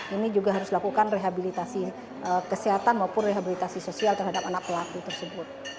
ini juga harus dilakukan rehabilitasi kesehatan maupun rehabilitasi sosial terhadap anak pelaku tersebut